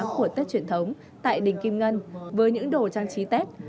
của tết truyền thống tại đình kim ngân với những đồ trang trí tết